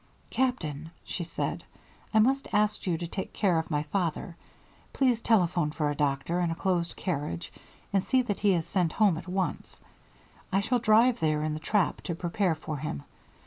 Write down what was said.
"Captain," she said, "I must ask you to take care of my father. Please telephone for a doctor and a closed carriage, and see that he is sent home at once. I shall drive there in the trap to prepare for him.